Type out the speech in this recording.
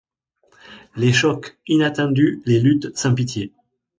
Les chocs. inattendus, les luttes, sans pitié ;